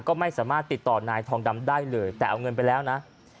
ก็ไม่สามารถติดต่อนายทองดำได้เลยแต่เอาเงินไปแล้วนะ